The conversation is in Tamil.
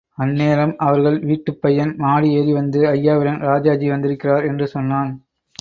அந் நேரம், அவர்கள் வீட்டுப் பையன் மாடி ஏறி வந்து, ஐயாவிடம், ராஜாஜி வந்திருக்கிறார் என்று சொன்னான்.